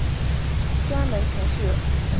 专门从事房地产法律。